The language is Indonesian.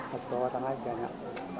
satu orang saja pak